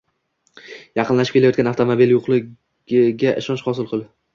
yaqinlashib kelayotgan avtomobil yo‘qligiga ishonch hosil qil